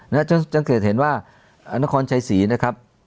ตั้งแต่เห็นว่าณคล์ชายศรีนะครับ